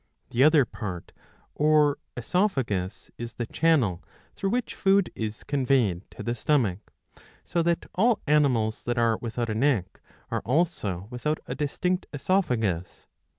The other part, or CESophagus, is the channel through which food is conveyed .to the stomach ; so that all animals that are without a neck are also without a distinct oesophagus.